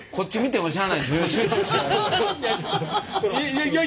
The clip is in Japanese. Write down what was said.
いやいや！